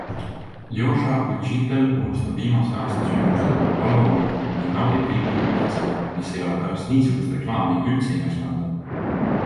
Ljoša Utšitel unustab viimase aasta sündmused nagu halva unenäo ning naudib filmi kommertsedu, mis ei ole pärast niisugust reklaami üldse imekspandav!